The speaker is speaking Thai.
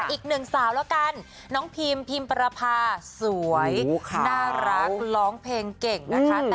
อีกหนึ่งสาวแล้วกันน้องพิมพิมประพาสวยน่ารักร้องเพลงเก่งนะคะ